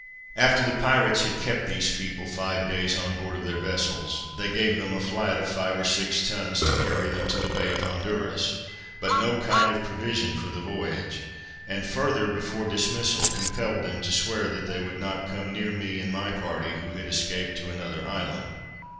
After the pirates had kept these people five days on board of their vessels, they gave them a flat of five or six tons to carry them to the Bay of Honduras, but no kind of provision for the voyage; and further, before dismissal, compelled them to swear that they would not come near me and my party, who had escaped to another island.